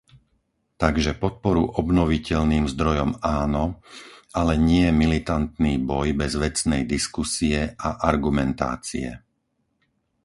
Takže podporu obnoviteľným zdrojom áno, ale nie militantný boj bez vecnej diskusie a argumentácie.